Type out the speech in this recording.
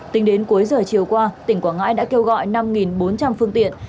tính đến cuối giờ chiều qua tỉnh quảng ngãi đã kêu gọi năm bốn trăm linh phương tiện